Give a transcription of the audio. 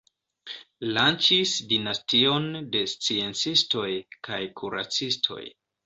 Lanĉis dinastion de sciencistoj kaj kuracistoj.